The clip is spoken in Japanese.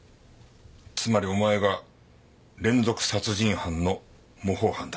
つまりお前が連続殺人犯の模倣犯だ。